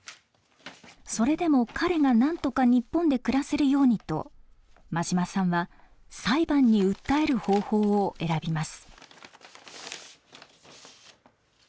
それでも彼が何とか日本で暮らせるようにと馬島さんは裁判に訴える方法を選びます。